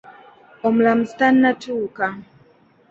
Omulamuzi tannatuuka.